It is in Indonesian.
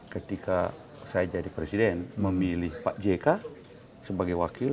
ketika saya jadi presiden memilih pak jk sebagai wakil